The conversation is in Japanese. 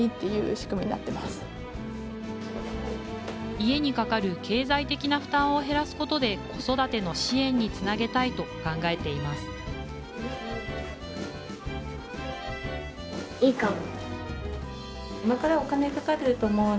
新たなプランも家にかかる経済的な負担を減らすことで子育ての支援につなげたいと考えていますいいかも。